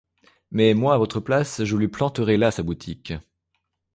Mais, moi, à votre place, je lui planterais là sa boutique.